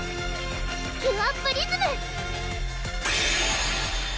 キュアプリズム！